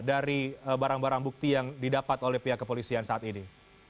dari barang barang bukti yang didapat oleh pihak kepolisian saat ini